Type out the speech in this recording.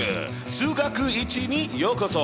数学Ⅰにようこそ。